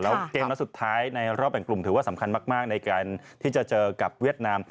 แล้วเกมนัดสุดท้ายในรอบแบ่งกลุ่มถือว่าสำคัญมากในการที่จะเจอกับเวียดนาม